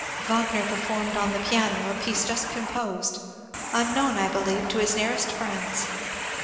Wagner performed on the piaDo a piece just composed, unknown I believe to his nearest friends.